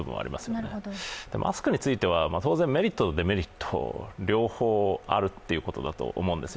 でも、マスクについては当然メリット、デメリット両方あるということだと思うんですよ。